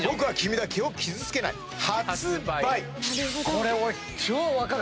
これ俺。